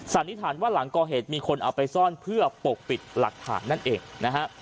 นิษฐานว่าหลังก่อเหตุมีคนเอาไปซ่อนเพื่อปกปิดหลักฐานนั่นเองนะฮะ